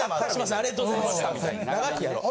ありがとうございます。